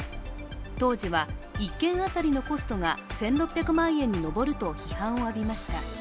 当時は１県当たりのコストが１６００万円に上ると批判を浴びました。